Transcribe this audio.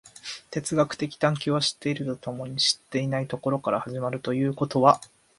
哲学的探求は知っていると共に知っていないところから始まるということは、